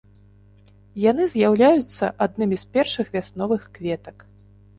Яны з'яўляюцца аднымі з першых вясновых кветак.